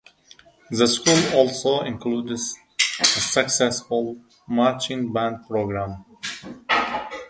The school also includes a successful Marching band program.